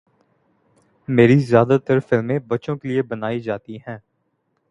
میری زیادہ تر فلمیں بچوں کیلئے بنائی جاتی ہیں